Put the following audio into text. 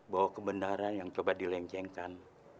bahwa kebenaran yang coba dilengkengkan